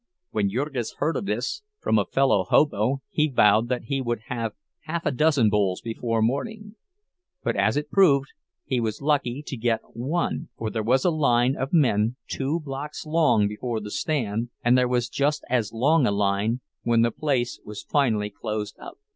When Jurgis heard of this, from a fellow "hobo," he vowed that he would have half a dozen bowls before morning; but, as it proved, he was lucky to get one, for there was a line of men two blocks long before the stand, and there was just as long a line when the place was finally closed up.